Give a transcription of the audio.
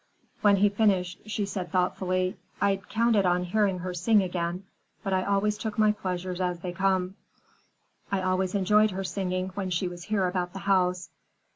When he finished, she said thoughtfully: "I'd counted on hearing her sing again. But I always took my pleasures as they come. I always enjoyed her singing when she was here about the house.